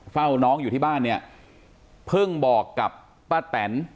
เฝ้าน้องอยู่ที่บ้านเนี่ยเพิ่งบอกกับป้าแตน